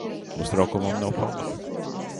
Uztraukumam nav pamata.